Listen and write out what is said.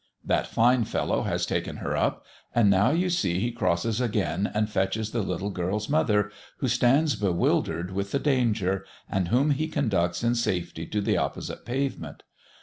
That fine fellow has taken her up; and now you see he crosses again and fetches the little girl's mother, who stands bewildered with the danger, and whom he conducts in safety to the opposite pavement.